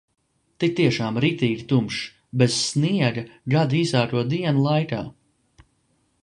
Tik tiešām, riktīgi tumšs, bez sniega gada īsāko dienu laikā.